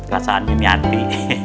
perasaan ini ati